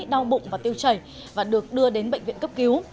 đau bụng và tiêu chảy và được đưa đến bệnh viện cấp cứu